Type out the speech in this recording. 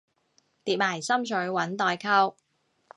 疊埋心水搵代購